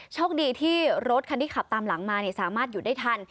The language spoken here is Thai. โชคดีที่รถคันที่ขับตามหลังมาสามารถหยุดได้ทัน